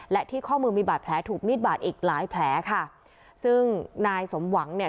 และที่ข้อมือมีบาดแผลถูกมีดบาดอีกหลายแผลค่ะซึ่งนายสมหวังเนี่ย